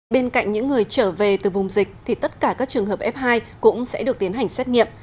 bên cạnh những người trở về từ vùng dịch thì tất cả các trường hợp f hai cũng sẽ được tiến hành xét nghiệm